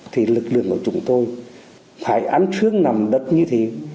thì lực lượng của chúng tôi phải ăn xương nằm đất như thế